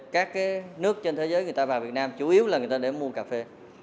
các nước trên thế giới người ta vào việt nam chủ yếu là người ta để mua cà phê